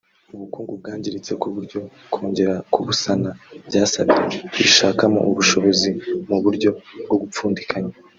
ubukungu bwangiritse ku buryo kongera kubusana byasabye kwishakamo ubushobozi mu buryo bwo gupfundikanya